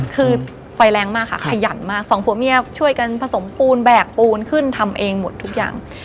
คือไฟแรงมากค่ะขยันมากสองผัวเมียช่วยกันผสมปูนแบกปูนขึ้นทำเองหมดทุกอย่าง